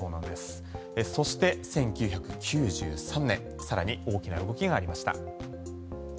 そして１９９３年更に大きな動きがありました。